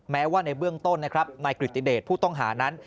แม้ว่าในเบื้องต้นในกริตเดชผู้ต้องหานั้น